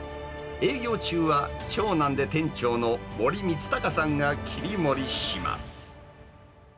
営業中は、長男で店長の森光隆さんが切り盛りします。